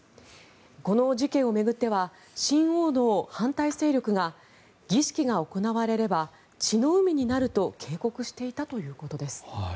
この事件を巡っては新王の反対勢力が儀式が行われれば血の海になると警告していたということです。